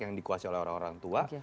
yang dikuasai oleh orang orang tua